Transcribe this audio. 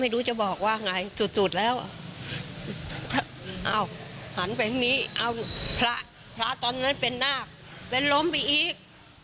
ก็ไม่รู้จะบอกว่าไงสุดแล้วหันแบบนี้พระตอนนั้นเป็นรมไปอีก